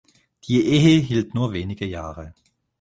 Die Ehe hielt nur wenige Jahre.